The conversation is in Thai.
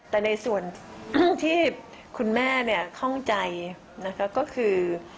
แต่ในส่วนที่คุณแม่ข้องใจนะคะก็คือ